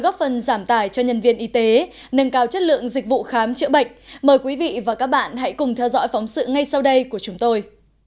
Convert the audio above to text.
cảm ơn các bạn đã theo dõi